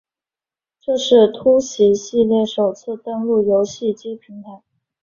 这是突袭系列首次登陆游戏机平台。